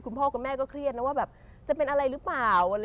พ่อกับแม่ก็เครียดนะว่าแบบจะเป็นอะไรหรือเปล่า